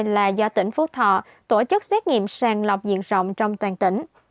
là do tỉnh phú thọ tổ chức xét nghiệm sàng lọc diện rộng trong toàn tỉnh